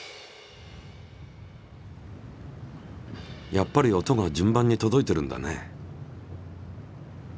やっぱり音が順番に届いてるんだね。